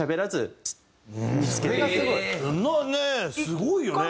すごいよね。